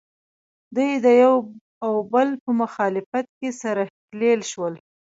دوی د یو او بل په مخالفت کې سره ښکلیل شول